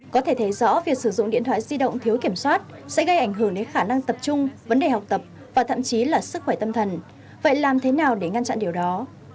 có thể thấy rõ việc sử dụng điện thoại di động thiếu kiểm soát sẽ gây ảnh hưởng đến khả năng tập trung vấn đề học tập và thậm chí là sức khỏe tâm thần vậy làm thế nào để ngăn chặn điều đó